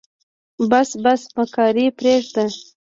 بس بس مکاري پرېده.